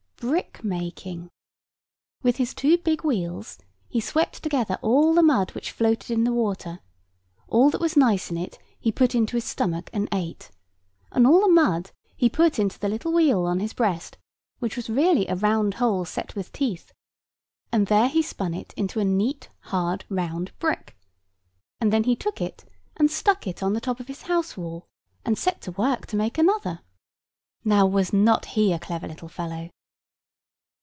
Brick making. With his two big wheels he swept together all the mud which floated in the water: all that was nice in it he put into his stomach and ate; and all the mud he put into the little wheel on his breast, which really was a round hole set with teeth; and there he spun it into a neat hard round brick; and then he took it and stuck it on the top of his house wall, and set to work to make another. Now was not he a clever little fellow?